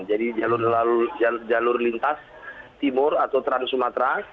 jadi jalur lintas timur atau trans sumatera